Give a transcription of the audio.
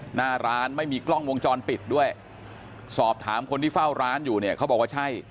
หน้าร้านไม่มีกล้องวงจรปิดด้วยสอบถามคนที่เฝ้าร้านอยู่เนี่ยเขาบอกว่าใช่